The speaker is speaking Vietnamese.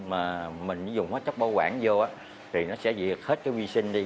mà mình dùng hóa chất bảo quản vô thì nó sẽ diệt hết cái vi sinh đi